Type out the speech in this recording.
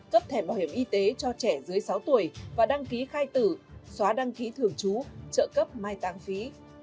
cấp thẻ bảo hiểm y tế cho trẻ dưới sáu tuổi và đăng ký khai tử xóa đăng ký thường trú trợ cấp mai tăng phí